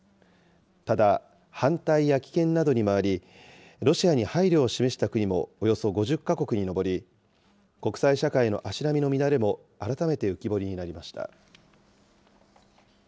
ただ、反対や棄権などに回り、ロシアに配慮を示した国もおよそ５０か国に上り、国際社会の足並みの乱れも改めて浮き彫りになりました。